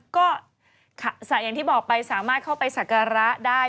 ก็อย่างที่บอกไปสามารถเข้าไปสักการะได้